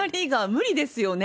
無理ですね。